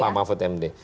pak mahfud md